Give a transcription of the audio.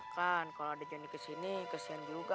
kan kalau ada janji kesini kesian juga